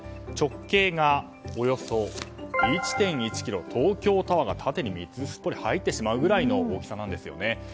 直径がおよそ１．１ｋｍ東京タワーが縦に３つすっぽり入るぐらいの大きさなんですね。